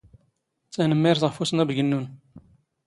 ⵜⴰⵏⵎⵎⵉⵔⵜ ⵖⴼ ⵓⵙⵏⵓⴱⴳ ⵏⵏⵓⵏ.